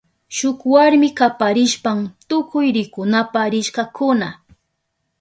Shuk warmi kaparishpan tukuy rikunapa rishkakuna.